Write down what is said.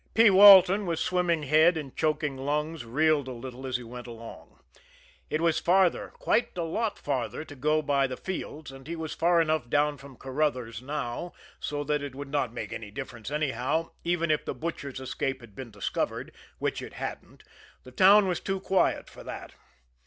P. Walton, with swimming head and choking lungs, reeled a little as he went along. It was farther, quite a lot farther, to go by the fields, and he was far enough down from Carruthers' now so that it would not make any difference anyhow, even if the Butcher's escape had been discovered which it hadn't, the town was too quiet for that.